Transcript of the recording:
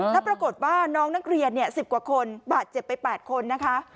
แล้วปรากฏว่าน้องนักเรียน๑๐กว่าคนบาดเจ็บไป๘คนนะคะ